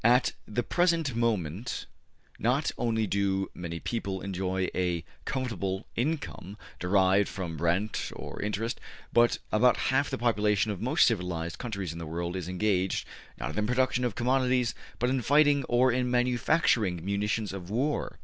At the present moment, not only do many people enjoy a comfortable income derived from rent or interest, but about half the population of most of the civilized countries in the world is engaged, not in the production of commodities, but in fighting or in manufacturing munitions of war.